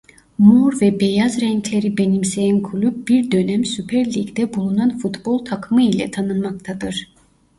Mor ve beyaz renkleri benimseyen kulüp bir dönem Süper Lig'de bulunan futbol takımı ile tanınmaktadır.